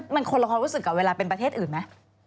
มันคนละความรู้สึกกับเวลาเป็นประเทศอื่นไหม